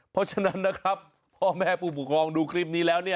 เพราะฉะนั้นนะครับพ่อแม่ผู้ปกครองดูคลิปนี้แล้วเนี่ย